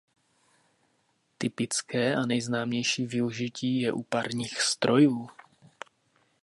Typické a nejznámější využití je u parních strojů.